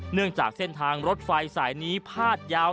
เนื่องจากเส้นทางรถไฟสายนี้พาดยาว